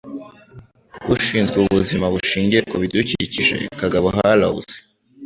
Ushinzwe ubuzima bushingiye ku bidukikije Kagabo Hallows